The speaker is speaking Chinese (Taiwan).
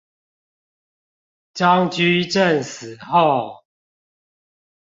張居正死後